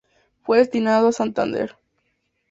Fue destinado a Santander.